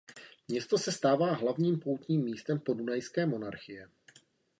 Město se stává hlavním poutním místem Podunajské monarchie.